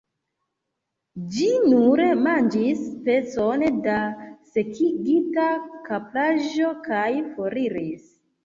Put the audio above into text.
Ĝi nur manĝis pecon da sekigita kapraĵo, kaj foriris.